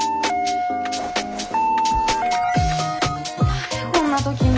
誰こんな時に。